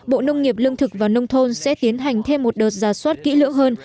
bộ nông nghiệp lương thực và nông thôn sẽ tiến hành thêm một đợt giả soát kỹ lưỡng hơn